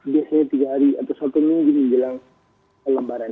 biasanya tiga hari atau satu minggu menjelang lebaran